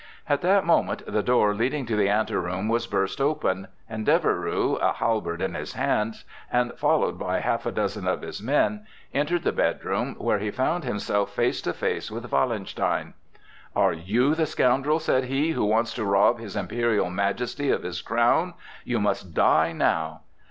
At that moment the door leading to the anteroom was burst open, and Deveroux, a halberd in his hands, and followed by half a dozen of his men, entered the bedroom, where he found himself face to face with Wallenstein. "Are you the scoundrel," said he, "who wants to rob his Imperial Majesty of his crown? You must die now!"